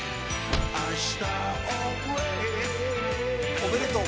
おめでとう。